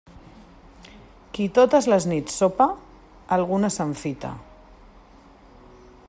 Qui totes les nits sopa, alguna s'enfita.